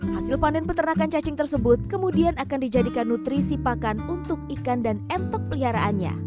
hasil panen peternakan cacing tersebut kemudian akan dijadikan nutrisi pakan untuk ikan dan entok peliharaannya